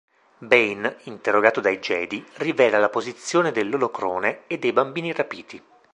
Bane, interrogato dai Jedi, rivela la posizione dell'olocrone e dei bambini rapiti.